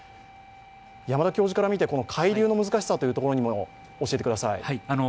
山田教授から見て、海流の難しさというところも教えてください。